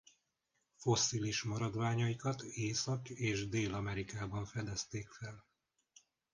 Fosszilis maradványaikat Észak- és Dél-Amerikában fedezték fel.